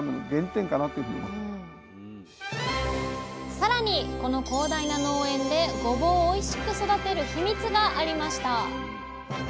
さらにこの広大な農園でごぼうをおいしく育てるヒミツがありました！